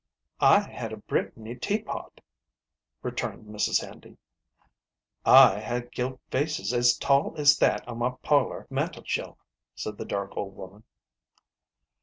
" I had a Brittany teapot," returned Mrs. Handy. " I had gilt vases as tall as that on my parlor mantel shelf," said the dark old woman.